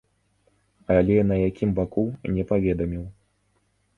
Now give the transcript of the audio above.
Але на якім баку, не паведаміў.